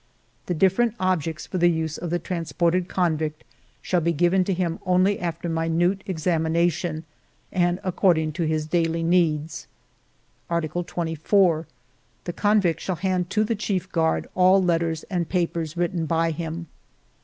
" The different objects for the use of the transported 254 FIVE YEARS OF MY LIFE convict shall be given to him only after minute exami nation and according to his daily needs. " Article 24. The convict shall hand to the chief guard all letters and papers written by him.